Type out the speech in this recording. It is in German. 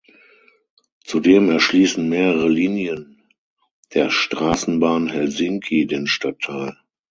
Zudem erschließen mehrere Linien der Straßenbahn Helsinki den Stadtteil.